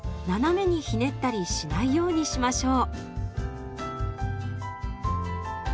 斜めにひねったりしないようにしましょう。